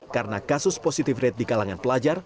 karena kasus positif rate di kalangan pelajar